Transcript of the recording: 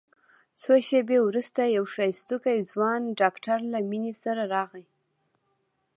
څو شېبې وروسته يو ښايستوکى ځوان ډاکتر له مينې سره راغى.